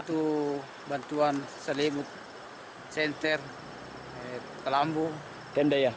bantu bantuan selimut senter telambu tenda